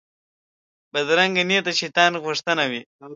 بدرنګه نیت د شیطان غوښتنه وي